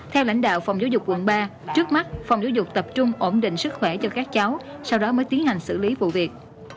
theo lãnh đạo phòng giáo dục quận ba trước mắt phòng giáo dục tập trung ổn định sức khỏe cho các cháu sau đó mới tiến hành xử lý vụ việc